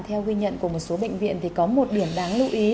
theo ghi nhận của một số bệnh viện thì có một điểm đáng lưu ý